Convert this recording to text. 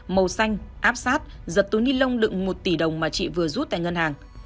màu xanh áp sát giật túi nilon lựng một tỷ đồng mà chị vừa rút tại ngân hàng